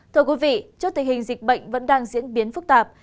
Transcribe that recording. thưa quý vị trước tình hình dịch bệnh vẫn đang diễn biến phức tạp